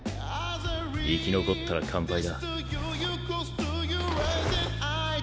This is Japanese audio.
生き残ったら乾杯だ。